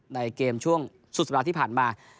ในเกมช่วงสุดสัปดาห์ที่ผ่านมา